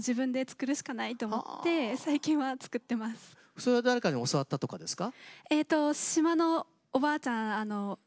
それは誰かに教わったとかですか？